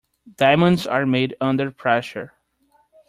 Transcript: Diamonds are made under pressure.